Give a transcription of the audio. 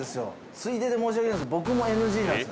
ついでで申し訳ないんですけど。